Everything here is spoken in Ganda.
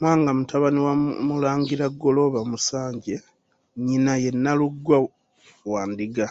MWANGA mutabani wa Mulangira Ggolooba Musanje, nnyina ye Nnalugwa wa Ndiga.